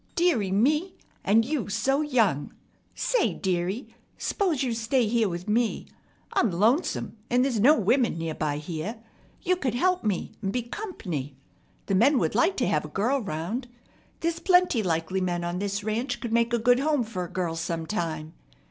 "Dearie me! And you so young! Say, dearie, s'pose you stay here with me. I'm lonesome, an' there's no women near by here. You could help me and be comp'ny. The men would like to have a girl round. There's plenty likely men on this ranch could make a good home fer a girl sometime.